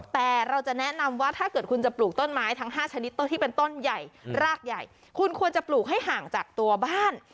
แต่เราจะแนะนำว่าถ้าเกิดคุณจะปลูกต้นไม้ทั้ง๕ชนิดต้นที่เป็นต้นใหญ่รากใหญ่คุณควรจะปลูกให้ห่างจากตัวบ้าน